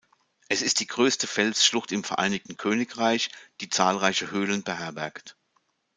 Es ist die größte Felsschlucht im Vereinigten Königreich, die zahlreiche Höhlen beherbergt.